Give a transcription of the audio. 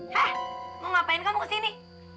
hah mau ngapain kamu ke sini